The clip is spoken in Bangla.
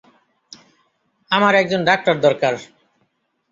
আমার একজন ডক্তার দরকার!